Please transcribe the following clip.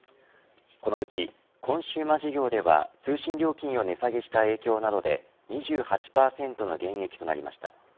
このうちコンシューマ事業では通信料金を値下げした影響などで２８％の減益となりました。